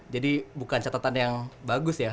jadi bukan catatan yang bagus ya